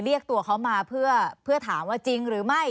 เรียกตัวเขามาเพื่อถามว่าจริงหรือไม่